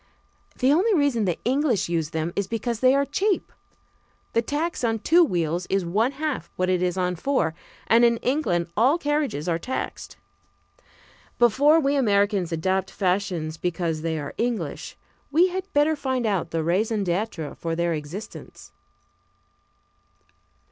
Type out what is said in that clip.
The only reason the English use them is because they are cheap. The tax on two wheels is one half what it is on four, and in England all carriages are taxed. Before we Americans adopt fashions because they are English, we had better find out the raison d'être for their existence.